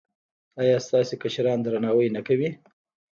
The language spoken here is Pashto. ایا ستاسو کشران درناوی نه کوي؟